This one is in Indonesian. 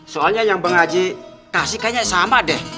soalnya yang bang haji kasih kayaknya sama deh